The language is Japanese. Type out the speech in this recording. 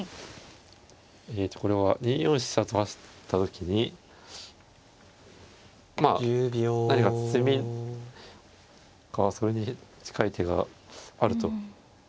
えとこれは２四飛車と指した時にまあ何か詰みかそれに近い手があると。